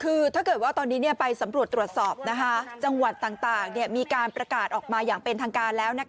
คือถ้าเกิดว่าตอนนี้ไปสำรวจตรวจสอบจังหวัดต่างมีการประกาศออกมาอย่างเป็นทางการแล้ว